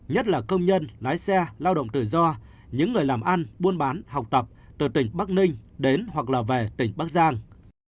nhất là công nhân lái xe lao động tự do những người làm ăn buôn bán học tập từ tỉnh bắc ninh đến hoặc là về tỉnh bắc giang